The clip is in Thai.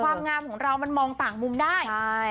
ความงามของเรามันมองต่างมุมได้